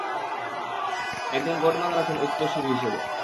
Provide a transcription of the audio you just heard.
একজন গডমাদার আছেন উত্তরসূরি হিসেবে।